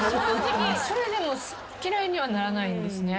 それでも嫌いにはならないんですね。